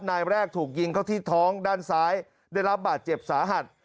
นายแรกถูกยิงเข้าที่ท้องด้านซ้ายได้รับบาดเจ็บสาหัส